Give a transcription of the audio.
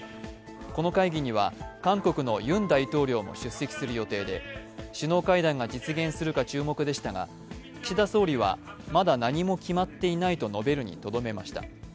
この会議には、韓国のユン大統領も出席する予定で、首脳会談が実現するか注目でしたが岸田総理はまだ何も決まっていないと述べるにとどめました。